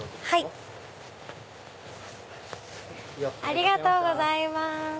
ありがとうございます。